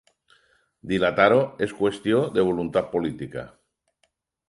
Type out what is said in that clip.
Dilatar-ho és qüestió de voluntat política.